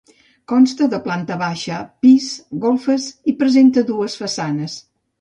Consta de planta baixa, pis i golfes, i presenta dues façanes.